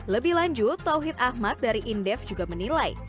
lebih lanjut tawhid ahmad dari indef juga menilai